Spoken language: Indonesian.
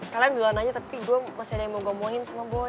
kalian dulu aja nanya tapi gue masih ada yang mau ngomongin sama boy